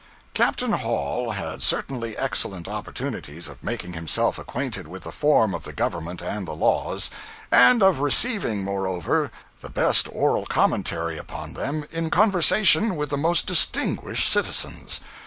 Captain Hall had certainly excellent opportunities of making himself acquainted with the form of the government and the laws; and of receiving, moreover, the best oral commentary upon them, in conversation with the most distinguished citizens.